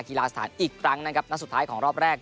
กีฬาสถานอีกครั้งนะครับนัดสุดท้ายของรอบแรก